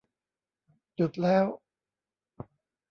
จุดแล้ว